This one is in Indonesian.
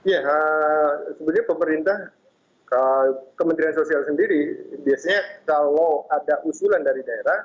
ya sebenarnya pemerintah kementerian sosial sendiri biasanya kalau ada usulan dari daerah